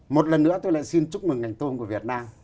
một lần nữa tôi lại xin chúc mừng ngành tôm của việt nam